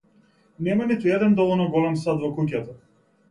Нема ниту еден доволно голем сад во куќата.